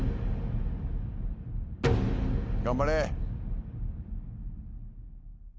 頑張れ。